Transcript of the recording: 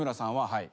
はい。